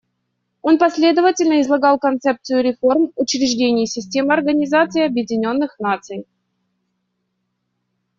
Он последовательно излагал концепцию реформ учреждений системы Организации Объединенных Наций.